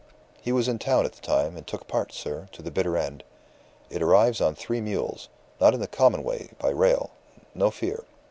He was in town at the time, and took part, sir, to the bitter end. It arrives on three mules not in the common way, by rail; no fear!